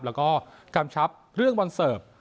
แล้วก็กำชับเรื่องวันเสิร์ฟ